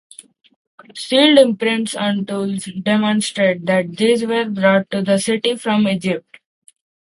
Sealed imprints on tools demonstrate that these were brought to the city from Egypt.